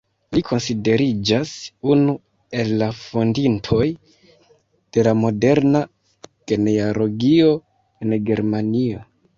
Li konsideriĝas unu el la fondintoj de la moderna genealogio en Germanio.